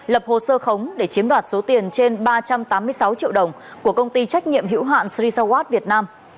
lập hồ sơ khống để chiếm đoạt số tiền trên ba trăm tám mươi sáu triệu đồng của công ty trách nhiệm hữu hạn srisa watt việt nam